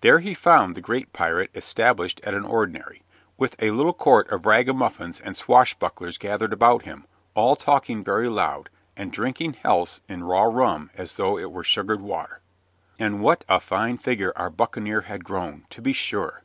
There he found the great pirate established at an ordinary, with a little court of ragamuffins and swashbucklers gathered about him, all talking very loud, and drinking healths in raw rum as though it were sugared water. And what a fine figure our buccaneer had grown, to be sure!